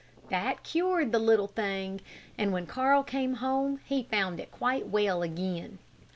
That cured the little thing, and when Carl came home, he found it quite well again.